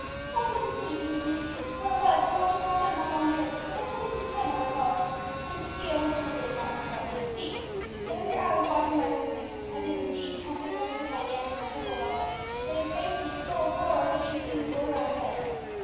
"Only conceive," he continued, "what it was to have to walk down that long room, with a policeman's hand on my collar, and to feel (I dared not look about me to see) that every eye was watching my movements! I did indeed catch a glimpse of my aunt in her purple velvet, with her face as full of horror as if she had seen the Gorgon's head!